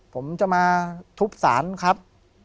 ผมจะมาทุบสารครับ